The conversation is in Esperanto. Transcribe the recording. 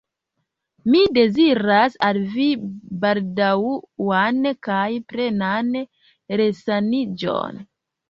Mi deziras al vi baldaŭan kaj plenan resaniĝon.